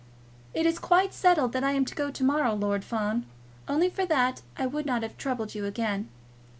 "It is quite settled that I am to go to morrow, Lord Fawn. Only for that I would not have troubled you again."